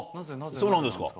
そうなんですか。